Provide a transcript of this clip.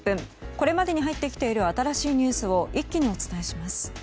これまでに入ってきている新しいニュースを一気にお伝えします。